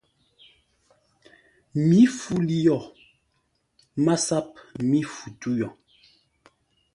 Mǐ fu li yo! MASAP mí fu tû yo.